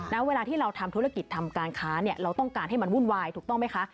แล้วเวลาที่เราทำธุรกิจทำการค้าเนี่ยเราต้องการให้มันวุ่นวายถูกต้องไหมคะ